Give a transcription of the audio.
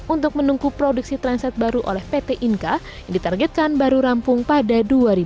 untuk menunggu produksi transit baru oleh pt inka yang ditargetkan baru rampung pada dua ribu dua puluh